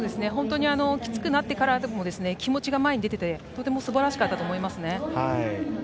きつくなってからでも気持ちが前に出てすばらしかったと思います。